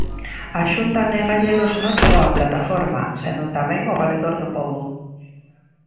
A Xunta négallelos non só á plataforma, senón tamén ao Valedor do Pobo.